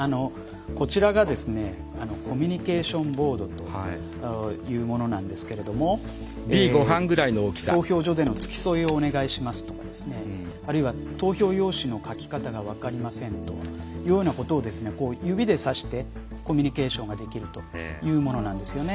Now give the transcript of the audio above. こちらがコミュニケーションボードというものなんですけれども「投票所での付き添いをお願いします」とかあるいは「投票用紙の書き方が分かりません」というようなことを指でさしてコミュニケーションができるというものなんですよね。